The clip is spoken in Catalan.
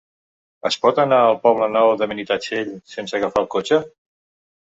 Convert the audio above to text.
Es pot anar al Poble Nou de Benitatxell sense agafar el cotxe?